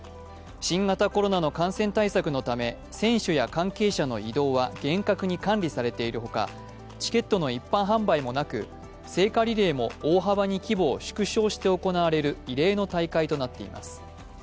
新型コロナの感染対策のため選手や関係者の移動は厳格に管理されているほか、チケットの一般販売もなく、聖火リレーも大幅に規模を縮小して行われる異例の大会となっています。